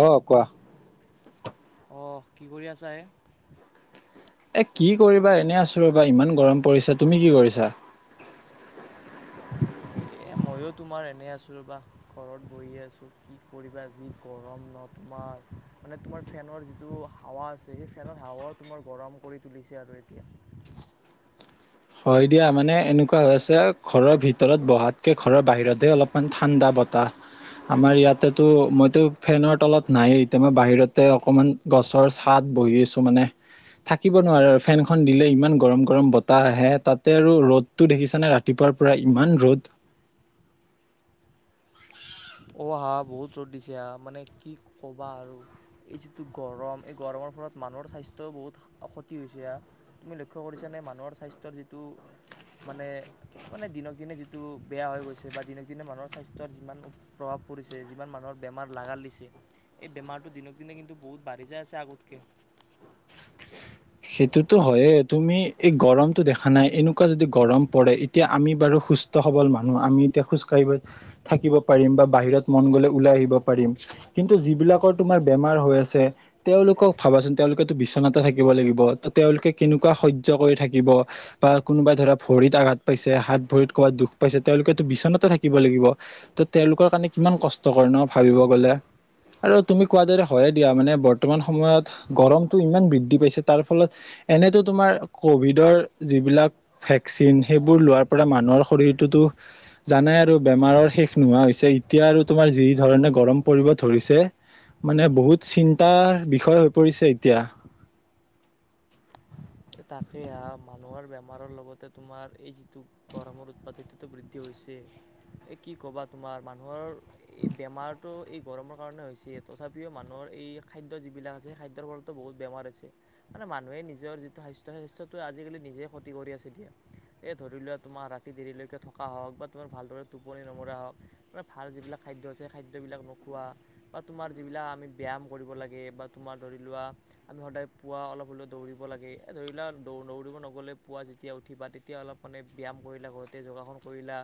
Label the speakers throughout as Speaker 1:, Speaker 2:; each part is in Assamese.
Speaker 1: অ কোৱা।
Speaker 2: আহ কি কৰি আছা এই?
Speaker 1: এ কি কৰিবা এনে আছো ৰবা ইমান গৰম পৰিছা তুমি কি কৰিছা?
Speaker 2: এ মইো তোমাৰ এনে আছো ৰ বা ঘৰত বহি আছো কি কৰিবা যি গৰম। ফেনৰ তোমাৰ মানে তোমাৰ ফেনৰ যিটো হাৱা আছে সেই ফেনৰ হাৱাও তোমাৰ গৰম কৰি তুলি। হৈছে আৰু এতিয়া।
Speaker 1: [unintelligible] হয় দিয়া মানে এনেকুৱা হৈ আছে ঘৰৰ ভিতৰত বহাতকে ঘৰৰ বাহিৰতহে অলপমান ঠাণ্ডা। বতাহ। আমাৰ ইয়াতেতো মইতো ফেনৰ তলত নাই এতিয়া মই বাহিৰতে অকমান গছৰ ছাদ। বহি আছো মানে থাকিব নোৱাৰ আৰু ফেন খন দিলে ইমান গৰম গৰম বতাহ আহে। হে তাতে আৰু ৰ'দতটো দেখিছা নে ৰাতিপুৱাৰ পৰা ইমান ৰ'দ। [unintelligible]
Speaker 2: অ হা বহুত ৰদ দিছে হা মানে কি ক'বা আৰু এই যিটো গৰম এই গৰমৰ। ফলত মানুহৰ স্বাস্থ্যও বহুত ক্ষতি হৈচা তুমি লক্ষ্য কৰিছানে মানুহৰ স্বাস্থ্যৰ যিটো। মানে মানে দিনক দিনে যিটো বেয়া হৈ গৈছে বা দিনক দিনে মানুহৰ স্বাস্থ্যত যিমান। প্ৰভাৱ পৰিছে যিমান মানুহৰ বেমাৰ লাগা দিছে এই বেমাৰটো দিনক দিনে কিন্তু বহুত বাঢ়ি যায় আছে আগতকৈ।
Speaker 1: [unintelligible] সেইটোতো হয়য়ে তুমি এই গৰমতটো দেখা নাই এনেকুৱা যদি গৰম পৰে এতিয়া আমি বাৰু। সুস্থ সবল মানুহ আমি এতিয়া খোজ কাঢ়িব থাকিব পাৰিম বা বাহিৰত মন গ'লে ওলাই আহিব পাৰিম। কিন্তু যিবিলাকৰ তোমাৰ বেমাৰ হৈ আছে তেওঁলোকক ভাবাচোন তেওঁলোকেতো বিচনা থাকিব লাগিব। তেওঁলোকে কেনেকুৱা শৈৰ্য কৰি থাকিব বা কোনোবাই ধৰা ভৰিত আঘাত পাইছে হাত ভৰিত। াত দুখ পাইছে তেওঁলোকেতো বিচনতে থাকিব লাগিব ত তেওঁলোকৰ কাৰণে কিমান কষ্টকৰ ন ভাবিব গলে। আৰু তুমি কোৱা যৰে হয়য়ে দিয়া মানে বৰ্তমান সময়ত গৰমতটো ইমান বৃদ্ধি পাইছে। তাৰ ফলত এনেতো তোমাৰ কভিডৰ যিবিলাক ভেকচিন সেইবোৰ লোৱাৰ পৰা মানুহ। শৰীৰটোোতো জানে আৰু বেমাৰৰ শেষ নোহোৱা হৈছে এতিয়া আৰু তোমাৰ যি ধৰণে গৰম। পৰিব ধৰিছে মানে বহুত চিন্তাৰ বিষয় হৈ পৰিছে এতিয়া। [unintelligible]
Speaker 2: তাকে মানুহৰ বেমাৰৰ লগতে তোমাৰ এই যিটো গৰমৰ উৎপাদটোটো বৃদ্ধি হৈছে। [unintelligible] এ কি ক'বা তোমাৰ মানুহৰ এই বেমাৰতটো এই গৰমৰ কাৰণে হৈছে তথাপিও মানুহৰ। এই খাদ্য যিবিলাক আছে সেই খাদ্যৰ ফলতো বহুত বেমাৰ আছে মানে মানুহে নিজৰ যি। স্বাস্থ্য স্বাস্থ্যটো আজিকালি নিজে ক্ষতি কৰি আছে দিয়ে এই ধৰি লোৱা তোমাৰ ৰাতি দেৰিলৈকে থকা হওক। বা তোমাৰ ভালদৰে টোপনি নমৰা হওক মানে ভাল যিবিলাক খাদ্য আছে সেই খাদ্যবিলাক নোখোৱা বা তোমাৰ। যিবিলাক আমি ব্যায়াম কৰিব লাগে বা তোমাৰ ধৰি লোৱা আমি সদায় পুৱা অলপ হ'লেও দৌৰিব লাগে। ধৰি লোৱা দৌ দৌৰিব নগ'লে পুৱা যেতিয়া উঠিবা তেতিয়া অলপ মানে ব্যায়াম কৰিলা ঘৰতে যোগাসন কৰিলা।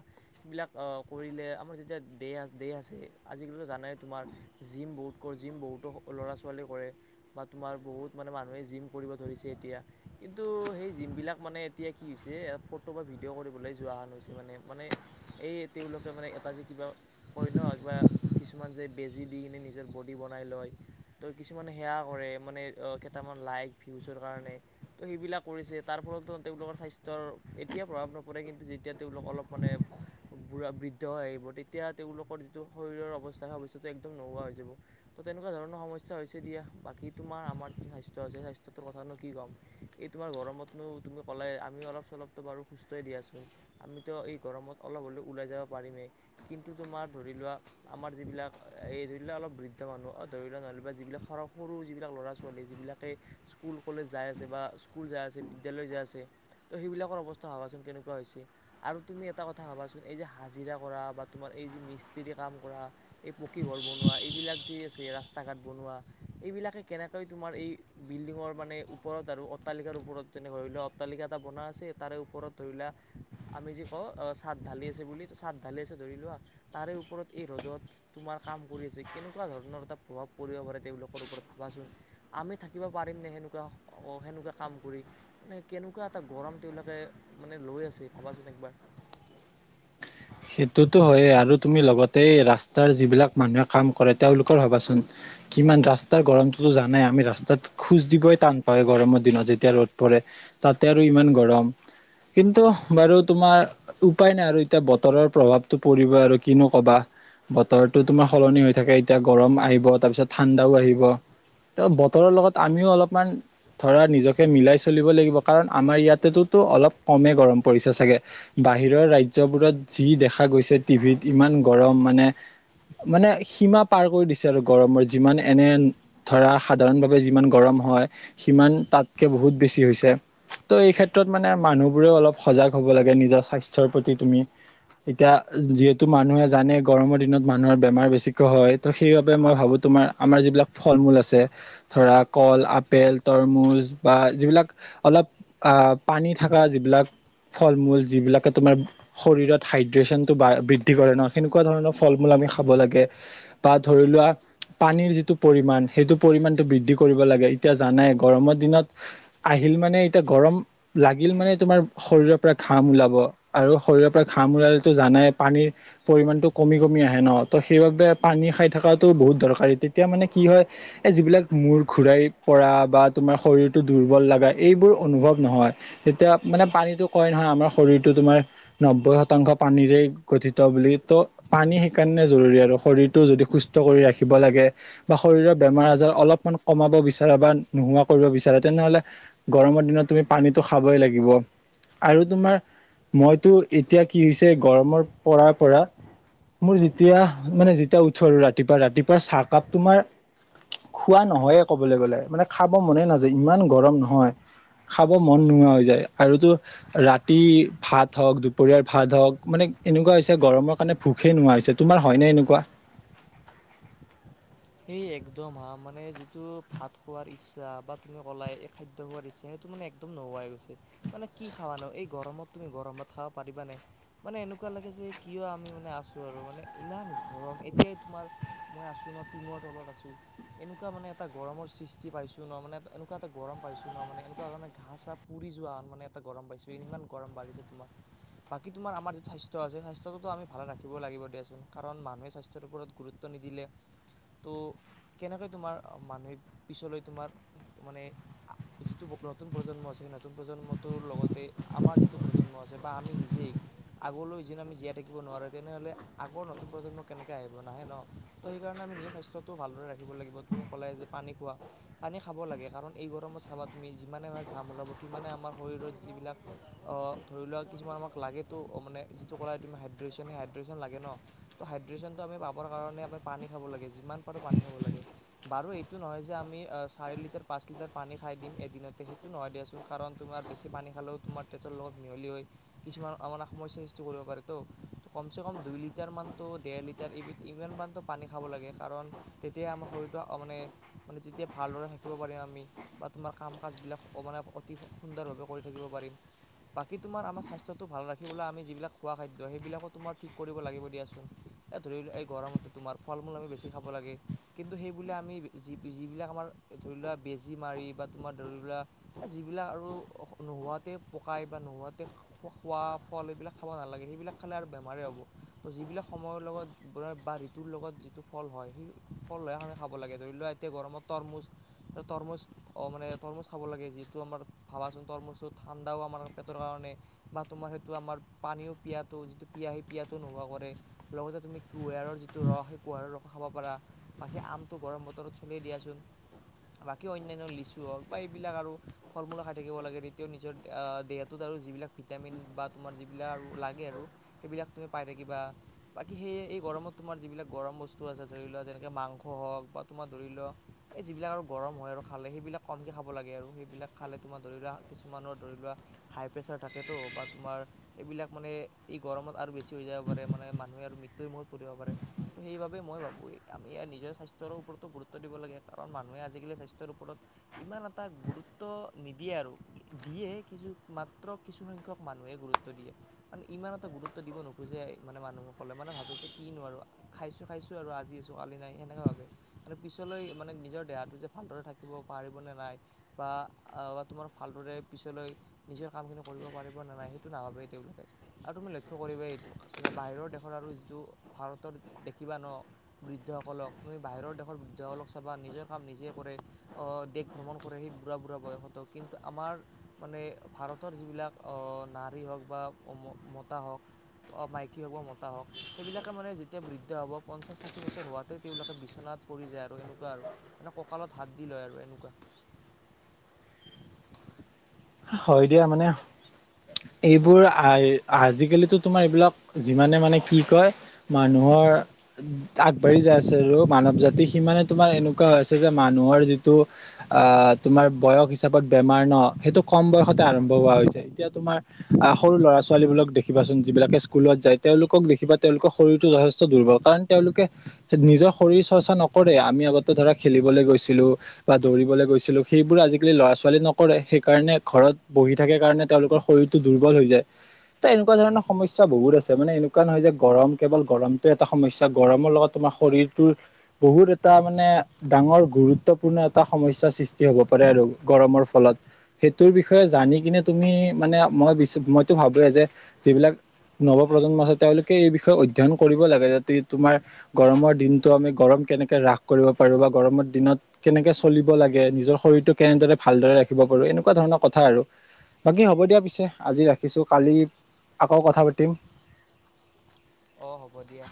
Speaker 2: সবিলাক আহ কৰিলে আমাৰ যেতিয়া দে দেহ আছে আজিকালিো জানাই তোমাৰ জিম। বহুত কৰ জিম বহুতো ল'ৰা ছোৱালীয়ে কৰে বা তোমাৰ বহুত মানে মানুহে জিম কৰিব ধৰিছে এতিয়া। কিন্তু সেই জিম বিলাক মানে এতিয়া কি হৈছে ফটো বা ভিডিঅ' কৰিবলৈ যোৱান হৈছে মানে মানে। এই তেওঁলোকে মানে এটা যে কিবা কই বা কিছুমান যে বেজি দি কিনে নিজৰ। বডি বনাই লয় ত' কিছুমান সেয়া কৰে মানে কেইটামান লাইক ভিউচৰ কাৰণে। ত' সেইবিলাক কৰিছে তাৰ ফলতো তেওঁলোকৰ স্বাস্থ্যৰ এতিয়া প্ৰভাৱ নপৰে কিন্তু যেতিয়া তেওঁলোক অলপ মানে। বুঢ়া বৃদ্ধ হৈ আহিব তেতিয়া তেওঁলোকৰ যিটো শৰীৰৰ অৱস্থাৱস্যটো একদম নোহোৱা হৈ যাব। ত' তেনেকুৱা ধৰণৰ সমস্যা হৈছে দিয়া বাকী তোমাৰ আমাৰ যটো স্বাস্থ্য আছে স্বাস্থ্যটোৰ কথানো কি ক'ম। এই তোমাৰ গৰমতনো তুমি ক'লে আমি অলপ চলপো বাৰু সুস্থই দিয়াচোন আমিতো এই গৰম। অল হলে ওলাই যাব পাৰিমে কিন্তু তুমাৰ ধৰি লোৱা আমাৰ যিবিলাক অলপ। ৰি্ৰ মানুহ ধৰি ল নলেব যিবিলাক স সৰু যিবিলাক ল'ৰা ছোৱালী যিবিলাকে স্কুল কলেজ যাই আছে। বা স্কুল যা আছে বিদ্যালয় যা আছে ত' সেইবিলাকৰ অৱস্থা ভবাচোন কেনেকুৱা হৈছে আৰু তুমি এটা। থা ভাবাচোন এই যে হাজিৰা কৰা বা তোমাৰ এই যে মিস্ত্ৰী কাম কৰা এই পকী ঘৰ বনোৱা এইবিলাক। এইবিলাক যে আছে ৰাস্তা ঘাট বনোৱা এইবিলাকে কেনেকৈ তোমাৰ এই বিল্ডিংৰ মানে উপ। ওপৰত আৰু অট্টালিকাৰ ওপৰত যেনে ধৰি লোৱা অট্টালিকা এটা বনোৱা আছে তাৰে ওপৰত ধৰি লোৱা। আমি যি কওঁ অ চাট ঢালি আছে বুলি চাট ঢালি আছে ধৰি লোৱা তাৰে ওপৰত এই ৰ'দত তোমাৰ। কাম কৰি আছে, কেনেকুৱা ধৰণৰ এটা প্ৰভাৱ পৰিব পাৰে তেওঁলোকৰ ওপৰত ভাবাচোন। আমি থাকিব পাৰিমনেে সেনেকুৱা, অঁ সেনেকুৱা কাম কৰি, মানে কেনেকুৱা এটা গৰম তেওঁলোকে মানে লৈ আছে ভাবাচোন একবাৰ।
Speaker 1: [unintelligible] তে ৰাস্তাৰ যিবিলাক মানুহে কাম কৰে তেওঁলোকৰ ভাবাচোন, কিমান ৰাস্তাৰ গৰমটোতো জানাই। আমি ৰাস্তাত খোজ দিবই টান পা গৰমৰ দিনত, যেতিয়া ৰ'দ পৰে তাতে আৰু ইমান গৰম। কিন্তু বাৰু তোমাৰ উপায় নাই আৰু এতিয়া বত। বতৰৰ প্ৰভাৱটো পৰিব আৰু কিনো কবা। বতৰটো তোমাৰ সলনি হৈ থাকে। এতিয়া গৰম আহিব তাৰপিছত ঠাণ্ডাও আহিব। ত বতৰৰ লগত আমিও অলপমান,। ধৰা নিজকে মিলাই চলিব লাগিব। কাৰণ আমাৰ ইয়াতেতোতো অলপ কমে গৰম পৰিছে চাগে। বাহিৰৰ ৰাজ্যবোৰত যি দেখা গৈছে টিভিত, ইমান গৰম মানে-। মানে সীমা পাৰ কৰি দিছে আৰু গৰমৰ যিমান এনে ধৰা সাধাৰণ ভাৱে যিমান গৰম -। সিমান তাতকে বহুত বেছি হৈছে। ত' এই ক্ষেত্ৰত মানে মানুহবোৰে অলপ সজাগ - হ'ব লাগে, নিজৰ স্বাস্থ্যৰ প্ৰতি তুমি,। এতিয়া যিহেতু মানুহে জানে গৰমৰ দিনত মানুহৰ বেমাৰ বেছিকৈ হয়, ত সেইবাবে মই ভাবো। তোমাৰ আমাৰ যিবিলাক ফল মূল আছে ধৰা কল, আপেল, তৰমুজ বা যিবিলাক -। অলপ আহ পানী থকা যিবিলাক ফল মূল যিবিলাকে তোমাৰ শৰীৰত। হাইড্ৰেচনটো বা বৃদ্ধি কৰে ন, সেনেকুৱা ধৰণৰ ফল মূল আমি খাব লাগে, বা ধৰি লোৱা। পানীৰ যিটো পৰিমাণ সেইটো পৰিমণটো বৃদ্ধি কৰিব লাগে। এতিয়া জানাই গৰমৰ দিনত আহি-। মানে এতিয়া গৰম লাগিল মানে তোমাৰ শৰীৰৰ পৰা ঘাম ওলাব, আৰু শৰীৰৰ পৰা। ঘাম ওলালেটো জানাই, পানীৰ পৰিমামানতটো কমি কমি আহে ন। ত সেইবাবে পানী খাই থকাাতটো বহুত -। বহুত দৰকাৰী, তেতিয়া মানে কি হয়, এই যিবিলাক মূৰ ঘূৰাই পৰা বা তোমাৰ শৰীৰতটো দুৰ্বল-। লগাই এইবোৰ অনুভৱ নহয়, তেতিয়া মানে পানীতো কয় নহয় আমাৰ শৰীৰটো তোমাৰ ন। নব্বৈ শতাংশ পানীৰে গঠিত বুলি ত', পানী সেইকাৰণে জৰুৰী আৰু শৰীৰটো যদি সুস্থ-। কৰি ৰাখিব লাগে, বা শৰীৰৰ বেমাৰ আজাৰ অলপমান কমাব বিচাৰে বা নোহোৱা কৰিব বিচাৰে, তেনেহলে গৰমৰ দিনত- তুমি পানীটো খাবই লাগিব। আৰু তোমাৰ মইতো- এতিয়া কি হৈছে গৰমৰ পৰাৰ পৰা, মোৰ যেতিয়া মানে যেতিয়া উঠো আৰু ৰাতিপুৱা ৰাতিপুৱা চাহকাপ তোমাৰ, খোৱা নহয়ে ক'বলৈ গ'লে, মানে খাব মনে নাযায় ইমান গৰম নহয়। খাব মন নোহোৱা হৈ যায়, আৰুতো ৰাতি ভাত হওক, দুপৰিয়াৰ ভাত হওক, মানে এনেকুৱা হৈছে গৰমৰ কাৰণে ভোকেই নোহোৱা হৈছে। তোমাৰ হয় ন এনেকুৱা? [unintelligible]
Speaker 2: সেই একদম হা মানে যিটো ভাত খোৱাৰ ইচ্ছা বা তুমি কলাই এই খাদ্য খোৱাৰ ইচ্ছা সেইটো, একদম নাই, মানে কি খাব নো এই গৰমত তুমি গৰমত খাবা পাৰিবা নে, মানে এনেকুৱা লাগে যে কিয় আমি মানে আছো আৰু মানে ইমান গৰম এতিয়াই তোমাৰ মই আছো ন - টিঙৰ তলত আছোঁ। এনেকুৱা মানে এটা গৰ সৃষ্টি পাইছোঁ ন, মানে এনেকুৱা এটা গৰম পাইছোঁ ন মানে তেনেকুৱা মানে ঘাঁ চা পুৰি যোৱা মানে, এটা গৰম পাইিছো ইমান গৰম বাঢ়িছে তোমাৰ। বাকী তোমাৰমাৰ যি স্বাস্থ্য আছে স্বাস্থ্যটো আমি ভাল ৰাখিব লাগিব দ দেচোন, কাৰণ মানুহে স্বাস্থ্যৰ ওপৰত গুৰুত্ব - দিলে, ত- কেনেকৈ তোমাৰ মানুহে পিছলৈ তোমাৰ মানে যিটো নতুন প্ৰজন্ম আছে। সেই নতুন প্ৰজন্মটোৰ লগতে আমাৰ যিটো প্ৰজন্ম আছে বা আমি নিজেই আগলৈ যি আমি জি থিব নোৱাৰে, তেনেহলে আগৰ নতুন প্ৰজন্ম কেনেকে আহিব নাহে ন। ত' সেইকাৰণে আমি নিজৰ স্বাস্থ্যতো ভালদৰে ৰাখিব লাগিব। ত কলে যে পানী খোৱা পানী খাব লাগে, কাৰণ এই গৰমত - চাবা তুমি যিমানে হয় ঘাম ওলাব, সিমানে আমাৰ শৰীৰত যিবিলাক ধৰি লোৱা কিছুমান আমাক লাগে - ত মানে যিটো কৰা তুমি হাইড্ৰে্যন। সেই হাইড্ৰে্যন লাগে ন ত' হাইড্ৰেশ্যনটো আমি পাব কাৰণে- পানী খাব লাগে, যিমান পাৰোঁ পানী খাব লাগে। বাৰু এইটো নহয় যে আমি চাৰি লিটাৰ পাঁচ লিটাৰ পানী - উঠাই দিম, এদিনতে সেইটো নহয় দিয়াচোন, কাৰণ তোমাৰ বেছি পানী খালেও তোমাৰ তেজৰ লগত মিহলি হৈ কিছুমান- মানে সমস্যাৰ সৃষ্টি কৰিব পাৰেতো, কমচে কম দুই লিটাৰমানটো ডেৰ লিটাৰ এইবিধ ইমানমান- পানী খাব লাগে। কাৰণ তেতিয়াই আমাৰ শৰীৰটো মানে মানে যেতিয়া ভালদৰে থাকিব পাৰিম আমি তোমাৰ কাম কাজবিলাক মানে অতি সুন্দৰভাৱে কৰি থাকিব পাৰিম। বাকী তোমাৰ আমাৰ স্বাস্থ্যটো ভাল ৰাখিবলৈ আমি যিবিলাক খোৱা খাদ্য সেইবিলাকো তোমাৰ ঠিক কৰিব লাগিব দিয়াচোন। এ ধৰিলো এই গৰমতে তোমাৰ ফল মূল আমি বেছি খাব লাগে কিন্তু সেইবোলে আমি যি যিবিলাক আমাৰ ধৰি লোৱা বেজী মাৰি বা তোমাৰ ধৰিলো যিবিলাক আৰু নোহোৱাতে পকাই বা নোহোৱাতে খোৱা। ফল এইবিলাক খাব নালাগে সেইবিলাক খালে আৰু বেমাৰেই হ'ব ত' যিবিলাক সময়ৰ লগত ব বা তোৰ লগত যিটো ফল হয় সেই ফল হৈ আমি খাব লাগে ধৰি লোৱাক এতিয়া গৰমত তৰমুজ তৰমুজ অ মানে তৰমুজ খাব লাগে যিহটো আমাৰ ভাবাচোন তৰমুজটো ঠাণ্ডাও আমাৰ পেটৰ কাৰণে বা তোমাৰ সেইটো আমাৰ পানীও পিয়াটো যিটো পিয়া সেই পিয়াটো নোহোৱা কৰে লগতে তুমি কুহিয়াৰ যিটো টো ৰস সেই কুঁহাৰৰ ৰস খাব পাৰা বাকী আমটো গৰম বতৰত চলেই দিয়াচোন। বাকী অন্যান্য লিচু হওক বা এইবিলাক আৰু ফল মূলা খাই থাকিব লাগে তেতিয়াও নিজৰ দেহটোত আৰু আৰু যিবিলাক ভিটামিন বা তোমাৰ যিবিলাক আৰু লাগে আৰু সেইবিলাক তুমি পাই থাকিবা বাকি সেই এই গৰম তোমাৰ যিবিলাক গৰম বস্তু আছে ধৰি লোৱা যেনেকৈ মাংস হওক বা তোমাৰ ধৰি লোৱা এই যিবিলাক আৰু গৰম হয় আৰু খালে সেইবিলাক কমকৈ খাব লাগে আৰু সেইবিলাক খালে তোমাৰ ধৰি লোৱা কিছুমানৰ ধৰি লোৱা হাই প্ৰেছাৰ থাকেতো বা তোমাৰ এইবিলাক মানে এই গৰমত আৰু বেছি হৈ যাব পাৰে মানে মানুহে আৰু মৃত্যুৰ মুখত পৰিব পাৰে। ত সেইবাবে মই ভাবো আমি নিজৰ স্বাস্থ্যৰ ওপৰতো গুৰুত্ব দিব লাগে কাৰণ মানুহে আজিকালি স্বাস্থ্যৰ ও ওপৰত ইমান এটা গুৰুত্ব নিদিয়ে আৰু দিয়ে কিছু মাত্ৰ কিছুসংখ্যক মানুহে গুৰুত্ব দিয়ে মানে ইমান এটা গুৰুত্ব দিব নোখোজে মানে মানুহসকলে মানে ভাবি যে কিনো আৰু খাইছো খাইছো আৰু আজি আছো কালি নাই সেনেকে ভাবে কি পিছলৈ মানে নিজৰ দেহাটো যে ভালদৰে থাকিব পাৰিব নে নাই বা আহ তোমাৰ ভালদৰে পিছলৈ নিজৰ কামখিনি কৰিব পাৰিব নে নাই সইটো নাভাবেই তেওঁলোকে আৰু তুমি লক্ষ্য কৰিব এইটো বাহিৰৰ দেশৰ আৰু যিটো ভাৰতৰ দেখিবা ন বৃদ্ধসকলক তুমি বাহিৰৰ দেশৰ বৃদ্ধসকলক চাবা নিজৰ কাম নিজে কৰে। দেশ ভ্ৰমণ কৰে সেই বুঢ়া বুঢ়া বয়সতো কিন্তু আমাৰ মানে ভাৰতৰ যিবিলাক অ নাৰী হওক বা মতা হওক অ মাইকী হওক বা মতা হওক সেইবিলাকে মানে যেতিয়া বৃদ্ধা হ'ব পঞ্চাশ ষাঠি বছৰ হোৱাতে তেওঁলোকে বিচনাত পৰি যায় আৰু এনেকুৱা আৰু মানে ককতাত দিল লয় আৰু এনেকুৱা
Speaker 1: [inaudible] হয় দিয়া মানে এইবোৰ আজিকালিতো তোমাৰ এইবিলাক যিমানে মানে কি কয় মানুহৰ আগবাঢ়ি যাই আছে আৰু মানৱ জাতি সিমান তোমাৰ এনেকুৱা হৈছে যে মানুহৰ যিটো আহ তোমাৰ বয়স হিচাপত বেমাৰ ন সেইটো কম বয়সতে আৰম্ভ হোৱা হৈছে এতিয়া তোমাৰ আহ সৰু ল'ৰা ছোৱালীবোলক দেখিবাচোন যিবিলাকে স্কুলত যায়। তেওঁলোকক দেখিবা তেওঁলোকৰ শৰীৰটো যথেষ্ট দুৰ্বল কাৰণ তেওঁলোকে নিজৰ শৰীৰ চৰ্চা নকৰে আমি [unintelligible] ত ধৰা খেলিবলৈ গৈছিলো বা দৌবলৈ গৈছিলো সেইবোৰ আজিকালি ল'ৰা ছোৱালী নকৰে সেইকাৰণে ঘৰত বহি থাকে কাৰণে তেওঁলোকৰ শৰীৰটো দুৰ্বল হৈ যায়। এ এনেকুৱা ধৰণৰ সমস্যা বহুত আছে মানে এনেকুৱা নহয় যে গৰম কেৱল গৰমতে এটা সমস্যা গৰমৰ লগত তোমাৰ শৰীৰটোৰ বহুত এটা মানে ডাঙৰ গুৰুত্বপূৰ্ণ এটা সমস্যা সৃষ্টি হব পাৰে। আৰু গৰমৰ ফলত সেইটোৰ বিষয়ে জানি কিনে তুমি মানে মই মইতো ভাবোয়ে যে যিবিলাক নৱপ্ৰজন্ম আছে তেওঁলোকে এই বিষয়ে অধ্যয়ন কৰিব লাগে যাতে তোমাৰ গৰমৰ দিনতটো আমি গৰম কেনেকে হ্ৰাস কৰিব পাৰো বা গৰমত দিনত কেনেকে চলিব লাগে নিজৰ শৰীৰতটো কেনেদৰে ভালদৰে ৰাখিব পাৰো এনেকুৱা এনেকুৱা ধৰণৰ কথা আৰু বাকী হ'ব দিয়া পিছে আজি ৰাখিছো কালি আকৌ কথা পাতিম।
Speaker 2: অঁ হ'ব দিয়া।